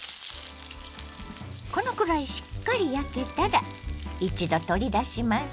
このくらいしっかり焼けたら一度取り出します。